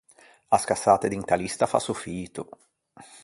À scassâte d’inta lista fasso fito.